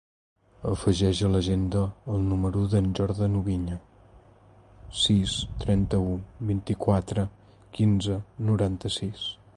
Afegeix a l'agenda el número del Jordan Oubiña: sis, trenta-u, vint-i-quatre, quinze, noranta-sis.